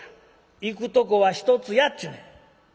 いくとこは一つやっちゅうねん」。